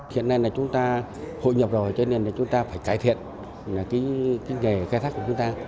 hiện nay chúng ta hội nhập rồi cho nên chúng ta phải cải thiện nghề khai thác của chúng ta